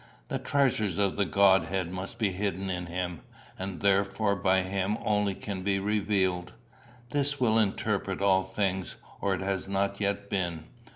The treasures of the Godhead must be hidden in him, and therefore by him only can be revealed. This will interpret all things, or it has not yet been.